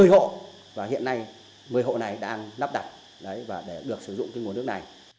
một mươi hộ và hiện nay một mươi hộ này đang lắp đặt và để được sử dụng cái nguồn nước này